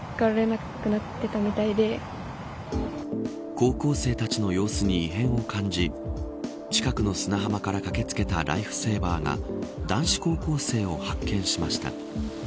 高校生たちの様子に異変を感じ近くの砂浜から駆け付けたライフセーバーが男子高校生を発見しました。